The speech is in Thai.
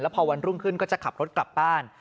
พอวันรุ่งขึ้นก็จะขับรถกลับบ้าน